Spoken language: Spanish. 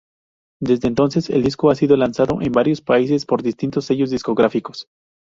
Desde entonces el disco ha sido lanzado en varios países por distintos sellos discográficos.